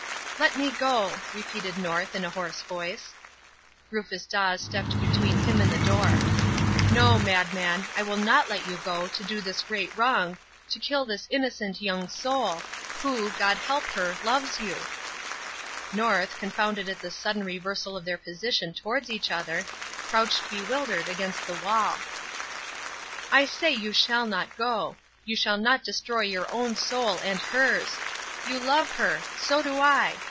"Let me go," repeated North, in a hoarse voice. Rufus Dawes stepped between him and the door. "No, madman, I will not let you go, to do this great wrong, to kill this innocent young soul, who God help her loves you!" North, confounded at this sudden reversal of their position towards each other, crouched bewildered against the wall. "I say you shall not go! You shall not destroy your own soul and hers! You love her! So do I!